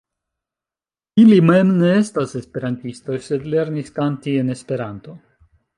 Ili mem ne estas Esperantistoj, sed lernis kanti en Esperanto.